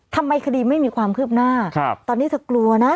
ทำไมคดีไม่มีความคืบหน้าตอนนี้เธอกลัวนะ